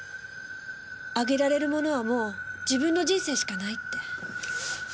あげられるものはもう自分の人生しかないって。